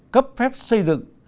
cấp phép xây dựng